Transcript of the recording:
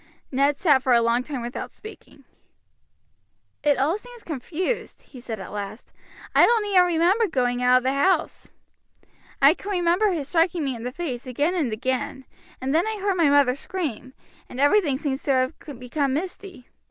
Ned sat for a long time without speaking. "It seems all confused," he said at last. "I don't even remember going out of the house. I can remember his striking me in the face again and again, and then I heard my mother scream, and everything seems to have become misty.